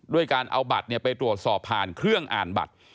ด้วยการเอาบัตรไปตรวจสอบผ่านเครื่องอ่านบัตร